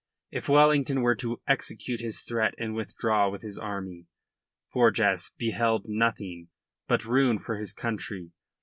If Wellington were to execute his threat and withdraw with his army, Forjas beheld nothing but ruin for his country.